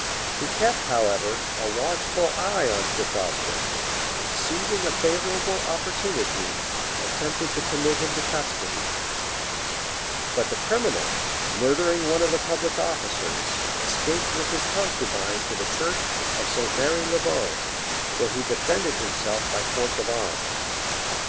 He kept, however, a watchful eye on Fitz Osbert, and seizing a favorable opportunity, attempted to commit him to custody; but the criminal, murdering one of the public officers, escaped with his concubine to the church of St. Mary le Bow, where he defended himself by force of arms.